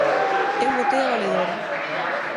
Eu votei a valedora.